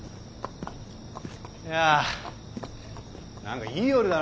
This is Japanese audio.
いや何かいい夜だな。